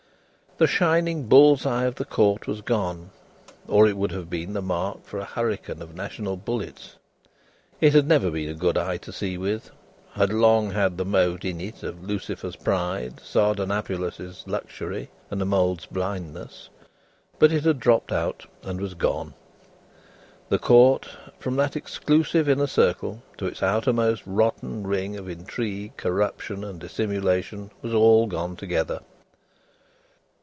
The shining Bull's Eye of the Court was gone, or it would have been the mark for a hurricane of national bullets. It had never been a good eye to see with had long had the mote in it of Lucifer's pride, Sardanapalus's luxury, and a mole's blindness but it had dropped out and was gone. The Court, from that exclusive inner circle to its outermost rotten ring of intrigue, corruption, and dissimulation, was all gone together.